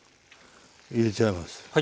入れちゃいます。